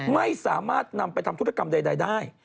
ไม่สามารถนำไปทำธุรกรรมใดได้